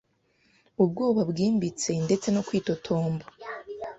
ubwoba bwimbitse ndetse no kwitotomba